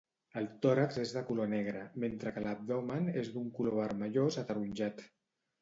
El tòrax és de color negre, mentre que l'abdomen és d'un color vermellós ataronjat.